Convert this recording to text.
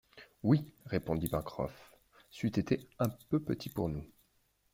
Oui, répondit Pencroff, c’eût été un peu petit pour nous